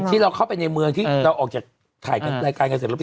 ที่เราเข้าไปในเมืองที่เราออกจากถ่ายรายการกันเสร็จแล้วไป